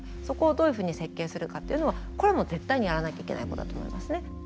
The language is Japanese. そこをどういうふうに設計するかっていうのはこれはもう絶対にやらなきゃいけないことだと思いますね。